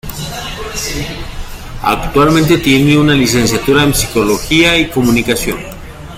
Actualmente tiene una licenciatura en psicología y comunicación.